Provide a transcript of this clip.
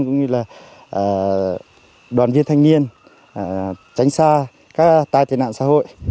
cũng như là đoàn viên thanh niên tránh xa các tai tiện nạn xã hội